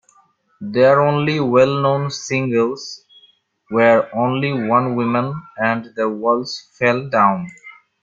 Their only well-known singles were "Only One Woman" and "The Walls Fell Down".